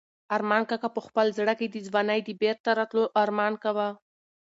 ارمان کاکا په خپل زړه کې د ځوانۍ د بېرته راتلو ارمان کاوه.